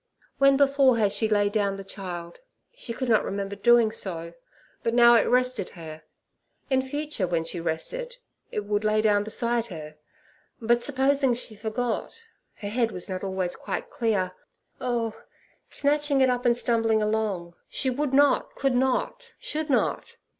When before had she laid down the child?—she could not remember so doing, but now it rested her. In future when she rested she would lay it down beside her. But supposing she forgot it—her head was not always quite clear. Oh!—snatching it up and stumbling along—she would not, could not, should not.